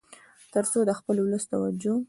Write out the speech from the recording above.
تر څو د خپل ولس توجه